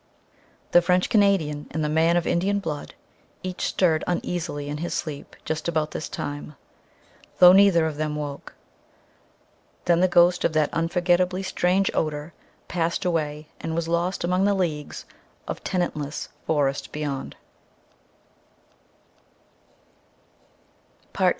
The French Canadian and the man of Indian blood each stirred uneasily in his sleep just about this time, though neither of them woke. Then the ghost of that unforgettably strange odor passed away and was lost among the leagues of tenantless forest beyond.